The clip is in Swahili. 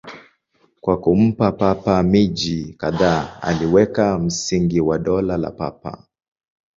Kwa kumpa Papa miji kadhaa, aliweka msingi wa Dola la Papa.